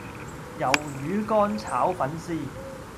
魷魚乾炒粉絲